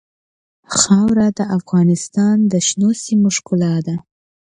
خاوره د افغانستان د شنو سیمو ښکلا ده.